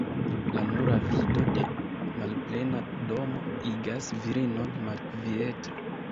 La nura vido de malplena domo igas virinon malkvieta.